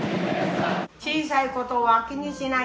「小さい事は気にしない」。